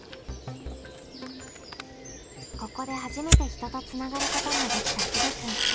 ここで初めて人とつながることができたひでくん。